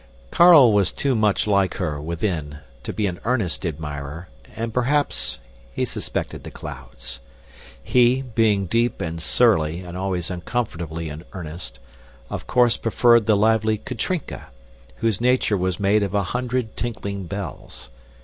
Carl was too much like her, within, to be an earnest admirer, and perhaps he suspected the clouds. He, being deep and surly and always uncomfortably in earnest, of course preferred the lively Katrinka, whose nature was made of a hundred tinkling bells.